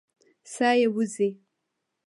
ساه یې وځي.